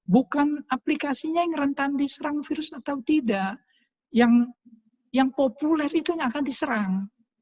bukan aplikasinya yang rentan diserang virus atau tidak yang populer itu yang akan diserang